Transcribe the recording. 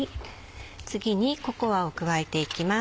次にココアを加えていきます。